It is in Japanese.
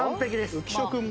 浮所君も。